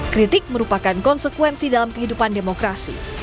kritik merupakan konsekuensi dalam kehidupan demokrasi